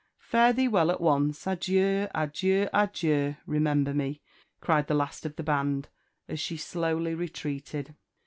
"Fare thee well at once Adieu, adieu, adieu, remember me!" cried the last of the band, as she slowly retreated.